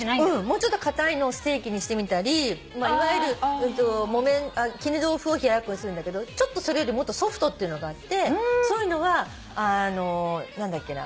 もうちょっと硬いのをステーキにしてみたりいわゆる絹豆腐を冷ややっこにするんだけどちょっとそれよりもっとソフトっていうのがあってそういうのは何だっけな。